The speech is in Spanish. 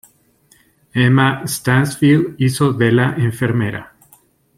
Emma Stansfield hizo de la enfermera.